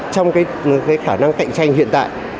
trong cái khả năng cạnh tranh hiện tại